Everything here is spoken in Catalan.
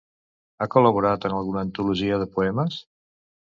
Ha col·laborat en alguna antologia de poemes?